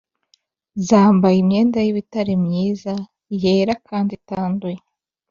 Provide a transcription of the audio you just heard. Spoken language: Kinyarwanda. zambaye imyenda y’ibitare myiza, yera kandi itanduye.